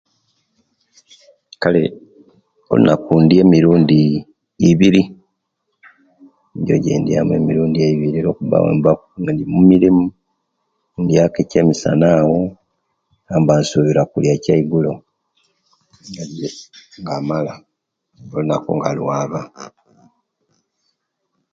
Kale olunaku indiya emirundi iih ibiiri nijo ejjedyaamu emirundi ejjo emirundi ibiiri olwo'kubanga nga indimumirimu indiyaku ekyemisana awo aba insubira kulia kyeigulo naye nga' mmala olunaku nga lwaaba